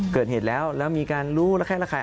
เกิดเหตุแล้วแล้วมีการรู้ระแคะระคาย